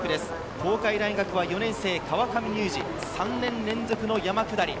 東海大学は４年生・川上勇士、３年連続の山下り。